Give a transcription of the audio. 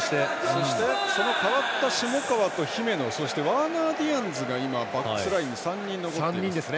そして代わった下川と姫野そしてワーナー・ディアンズがバックスラインに３人残っています。